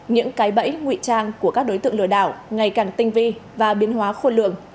những cái bẫy nguy trang của các đối tượng lừa đảo ngày càng tinh vi và biến hóa khôn lượng